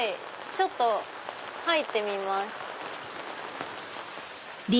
ちょっと入ってみます。